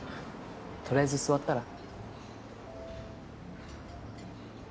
とりあえず座ったら？